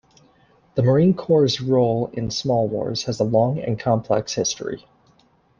The Marine Corps' role in small wars has a long and complex history.